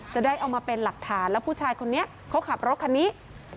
จะได้เอามาเป็นหลักฐานแล้วผู้ชายคนนี้เขาขับรถคันนี้